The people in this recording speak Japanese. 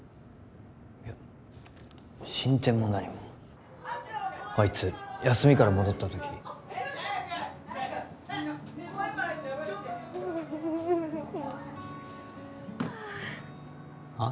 いや進展も何もあいつ休みから戻った時はあ